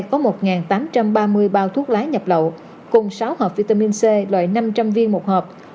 có một tám trăm ba mươi bao thuốc lá nhập lậu cùng sáu hợp vitamin c loại năm trăm linh viên một hộp